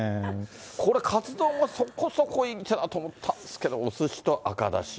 これ、カツ丼はそこそこいい手だなと思ったんですけれども、おすしと赤だし。